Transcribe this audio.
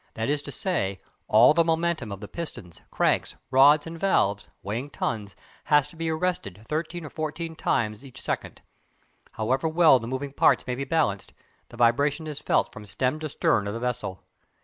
That is to say, all the momentum of the pistons, cranks, rods, and valves (weighing tons), has to be arrested thirteen or fourteen times every second. However well the moving parts may be balanced, the vibration is felt from stem to stern of the vessel.